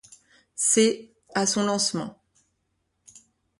C à son lancement.